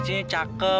kamu mau kah